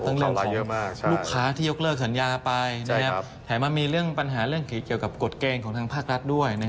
แถมมันมีเรื่องปัญหาเรื่องของกฎเกอร์ของภาครัศด้วย